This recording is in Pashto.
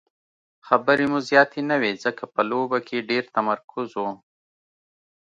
خبرې مو زیاتې نه وې ځکه په لوبه کې ډېر تمرکز وو.